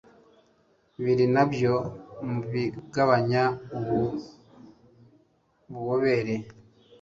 biri na byo mu bigabanya ubu bubobere.